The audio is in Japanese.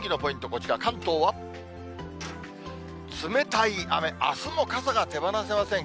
こちら、関東は、冷たい雨、あすも傘が手放せません。